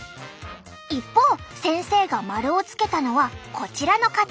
一方先生がマルを付けたのはこちらの方。